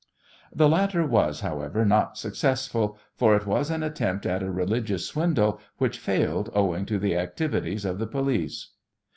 The latter was, however, not successful, for it was an attempt at a religious swindle which failed owing to the activities of the police.